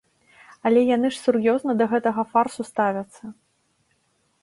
Але яны ж сур'ёзна да гэтага фарсу ставяцца.